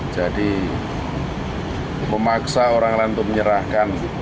jadi memaksa orang lain untuk menyerahkan